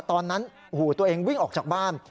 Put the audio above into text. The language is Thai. ตอนนั้นตัวเองวิ่งออกจากบ้าน